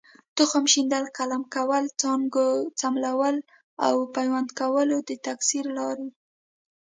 تخم شیندل، قلمه کول، څانګو څملول او پیوند کول د تکثیر لارې دي.